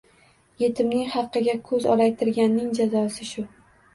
Yetimning haqiga ko‘z olaytirganning jazosi shu